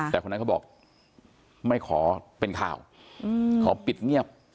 แต่คนนั้นเขาบอกไม่ขอเป็นข่าวขอปิดเงียบ